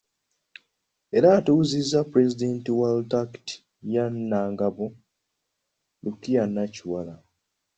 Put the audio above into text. Era atuuzizza Pulezidenti wa Rotaract ye Nangabo, Lukiya Nakiwala.